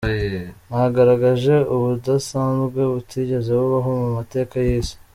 Mwagaragaje ubudasanzwe butigeze bubaho mu mateka y’Isi.